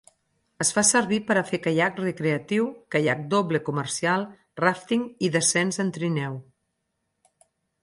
Es fa servir per a fer caiac recreatiu, caiac doble comercial, ràfting i descens en trineu.